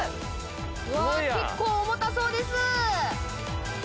うわ結構重たそうです！